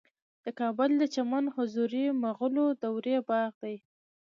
د کابل د چمن حضوري د مغلو دورې باغ دی